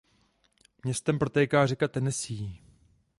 Městem protéká řeka Tennessee.